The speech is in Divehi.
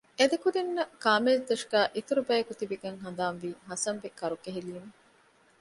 އެ ދެކުދިންނަށް ކާމޭޒުދޮށުގައި އިތުރު ބަޔަކު ތިބިކަން ހަނދާންވީ ހަސަންބެ ކަރުކެހިލީމަ